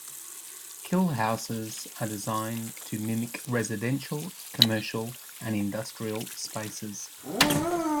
Kill houses are designed to mimic residential, commercial and industrial spaces.